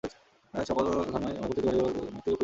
সকল ধর্মই জগৎ হইতে বাহিরে যাইবার অর্থাৎ মুক্তির উপদেশ দিতেছে।